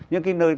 những cái nơi